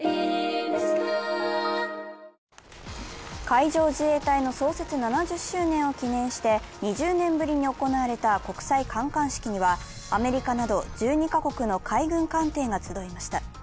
海上自衛隊の創設７０周年を記念して２０年ぶりに行われた国際観艦式にはアメリカなど１２か国の海軍艦艇が集いました。